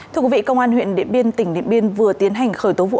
thưa quý vị công an huyện điện biên tỉnh điện biên vừa tiến hành khởi tố vụ án